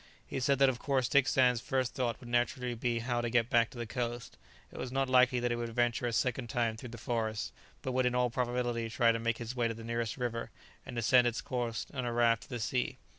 He said that of course Dick Sands' first thought would naturally be how to get back to the coast; it was not likely that he would venture a second time through the forest, but would in all probability try to make his way to the nearest river, and descend its course on a raft to the sea.